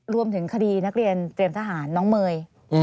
รวมถึงคดีนักเรียนเตรียมทหารน้องเมย์